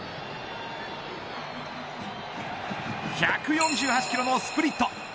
１４８キロのスプリット。